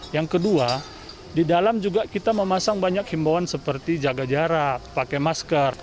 yang kedua di dalam juga kita memasang banyak himbauan seperti jaga jarak pakai masker